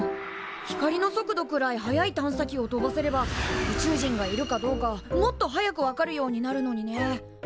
光の速度くらい速い探査機を飛ばせれば宇宙人がいるかどうかもっと早く分かるようになるのにね。